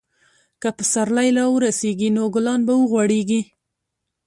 که پسرلی راورسیږي، نو ګلان به وغوړېږي.